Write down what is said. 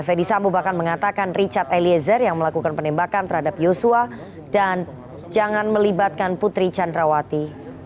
fedy sambo bahkan mengatakan richard eliezer yang melakukan penembakan terhadap yosua dan jangan melibatkan putri candrawati